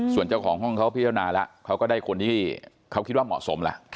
ส่วนเจ้าของห้องเขาพิจารณาแล้วเขาก็ได้คนที่เขาคิดว่าเหมาะสมแล้ว